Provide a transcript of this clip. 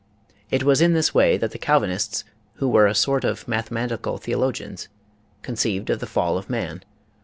It was in this way that the CaJ vinists, who were a sort of mathematical theologians, conceived of the fall of man.